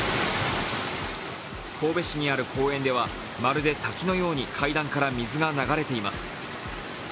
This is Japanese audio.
神戸市にある公園では、まるで滝のように階段から水が流れています。